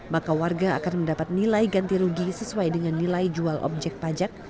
maka warga akan mendapat nilai ganti rugi sesuai dengan nilai jual objek pajak